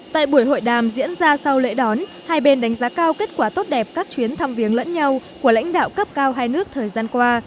tại buổi hội đàm diễn ra sau lễ đón hai bên đánh giá cao kết quả tốt đẹp các chuyến thăm viếng lẫn nhau của lãnh đạo cấp cao hai nước thời gian qua